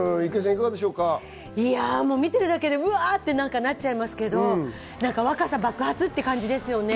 見てるだけで、うわぁってなっちゃいますけど、若さ爆発って感じですよね。